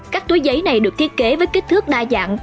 các túi giấy này được thiết kế với kích thước đa dạng